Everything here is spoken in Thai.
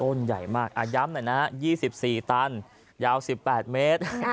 ใหญ่มากย้ำหน่อยนะ๒๔ตันยาว๑๘เมตร